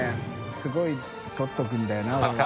すごい取っておくんだよな俺は。